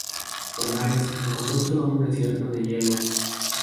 Pero Nares encontró sólo un desierto de hielo.